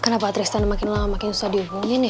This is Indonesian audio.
kenapa atrik standar makin lama makin susah dihubungin ya